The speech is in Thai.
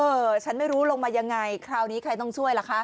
ฉันไม่รู้ลงมายังไงคราวนี้ใครต้องช่วยล่ะคะ